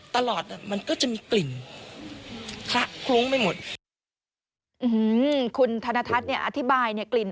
คุณผู้ชมฟังเสียงคุณธนทัศน์เล่ากันหน่อยนะคะ